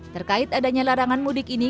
terkait adanya larangan mudik ini